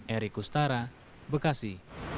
erick kustara bekasi